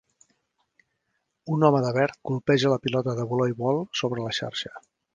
Un home de verd colpeja una pilota de voleibol sobre la xarxa.